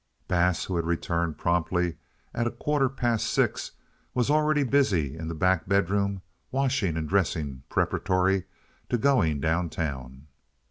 Bass, who had returned promptly at a quarter past six, was already busy in the back bedroom washing and dressing preparatory to going down town.